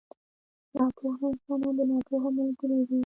ناپوه انسان د ناپوه ملګری وي.